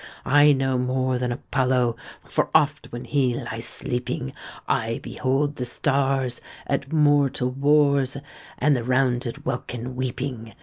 I know more than Apollo; For, oft when he lies sleeping, I behold the stars At mortal wars, And the rounded welkin weeping.